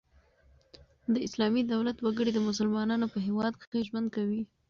د اسلامي دولت وګړي د مسلمانانو په هيواد کښي ژوند کوي.